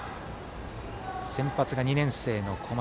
先発が２年生の小松。